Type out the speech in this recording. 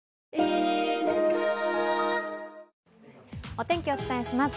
お天気、お伝えします。